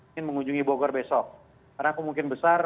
ingin mengunjungi bogor besok karena kemungkinan besar